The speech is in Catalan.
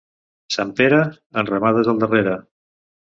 Sant Pere, enramades al darrere.